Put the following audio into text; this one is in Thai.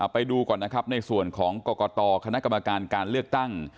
ไปดูก่อนนะครับในส่วนของกรกตคณะกรรมการการเลือกตั้ง